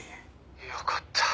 よかった。